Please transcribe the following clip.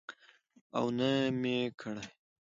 او نه مې کړى.